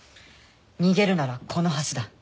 逃げるならこの橋だ。